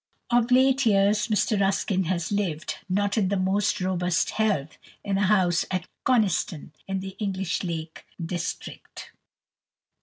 Of late years Mr Ruskin has lived, not in the most robust health, in a house at Coniston, in the English Lake District.